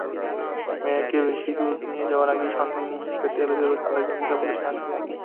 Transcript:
মেয়েকে বেশি দূর নিয়ে যাওয়ার আগেই সন্ধান পেতে এলিজাবেথ-আলেজান্দ্রা পুলিশের কাছে যান।